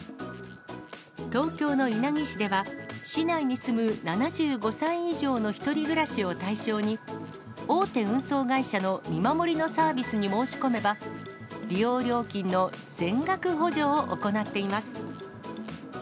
東京の稲城市では、市内に住む７５歳以上の１人暮らしを対象に、大手運送会社の見守りのサービスに申し込めば、利用料金の全額補助を行っています。